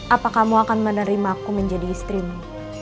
apa kamu akan menerima aku menjadi istrimu